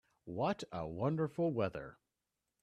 What a wonderful weather!